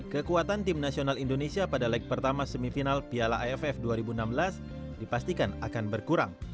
kekuatan tim nasional indonesia pada leg pertama semifinal piala aff dua ribu enam belas dipastikan akan berkurang